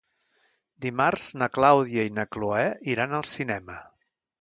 Dimarts na Clàudia i na Cloè iran al cinema.